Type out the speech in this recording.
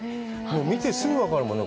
見てすぐ分かるもんね。